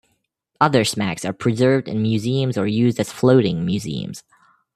Other smacks are preserved in museums or used as floating museums.